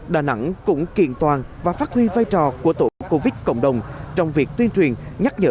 đà nẵng cũng kiện toàn và phát huy vai trò của tổ covid cộng đồng trong việc tuyên truyền nhắc nhở